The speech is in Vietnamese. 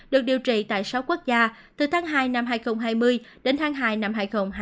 được điều trị tại sáu quốc gia từ tháng hai năm hai nghìn hai mươi đến tháng hai năm hai nghìn hai mươi